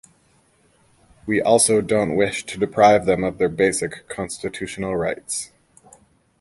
We also don't wish to deprive them of their basic constitutional rights...